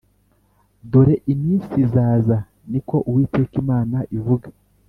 Dore iminsi izaza ni ko Uwiteka Imana ivuga